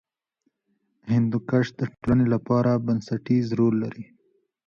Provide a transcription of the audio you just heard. هندوکش د ټولنې لپاره بنسټیز رول لري.